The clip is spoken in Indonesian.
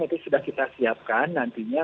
itu sudah kita siapkan nantinya